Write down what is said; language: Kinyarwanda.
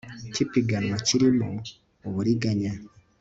cy ipiganwa kirimo uburiganya